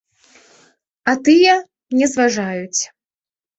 А тыя не зважаюць.